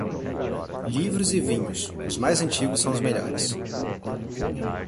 Livros e vinhos, os mais antigos são os melhores.